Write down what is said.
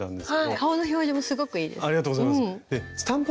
顔の表情もすごくいいです。